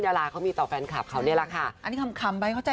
เราอยากรู้เองเหรอเรื่องย่างใหญ่เลวุเอิ